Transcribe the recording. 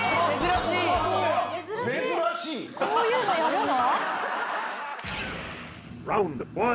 こういうのやるの？